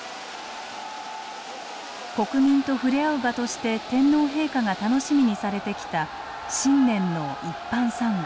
国民と触れ合う場として天皇陛下が楽しみにされてきた新年の一般参賀。